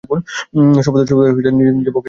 সর্বদাই নিজে বকা-ঝকা করা অভ্যাস।